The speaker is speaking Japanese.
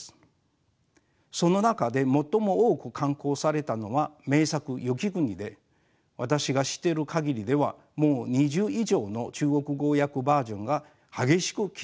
その中で最も多く刊行されたのは名作「雪国」で私が知っている限りではもう２０以上の中国語訳バージョンが激しく競い合っています。